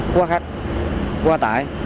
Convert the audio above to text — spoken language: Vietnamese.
qua khách qua tải